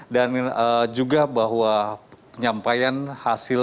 dan juga bahwa penyampaian hasilnya